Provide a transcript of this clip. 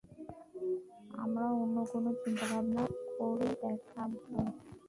আমরা অন্য কোনো চিন্তাভাবনা করে দেখবো।